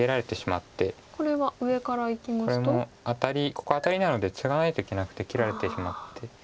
ここアタリなのでツガないといけなくて切られてしまって。